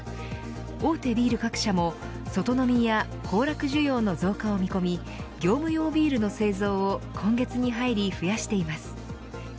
大手ビール各社も外飲みや行楽需要の増加を見込み業務用ビールの製造を今月に入り増やしています。